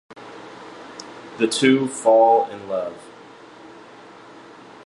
The two fall in love.